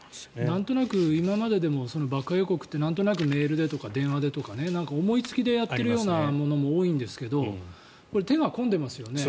なんとなく今まででも爆破予告ってなんとなくメールでとか電話でとか思いつきでやっているようなものも多いんですけどこれ、手が込んでますよね。